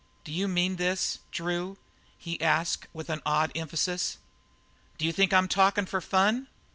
"D'you mean this Drew?" he asked, with an odd emphasis. "D'you think I'm talking for fun?"